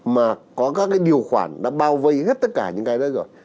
mà có các cái điều khoản đã bao vây hết tất cả những cái đấy rồi